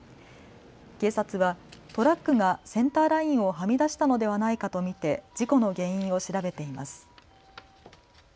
警察はトラックがセンターラインをはみ出したのではないかと見て事故の原因を調べています。